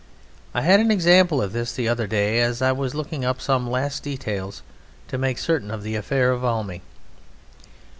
I had an example of this the other day, as I was looking up some last details to make certain of the affair of Valmy.